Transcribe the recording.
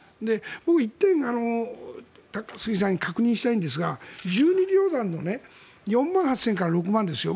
僕、一転高橋さんに確認したいんですが１２旅団の４万８０００から６万ですよ。